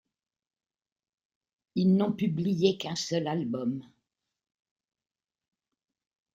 Ils n'ont publiés qu'un seul album.